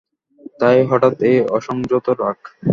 তাই হঠাৎ এই অসংযত রাগ।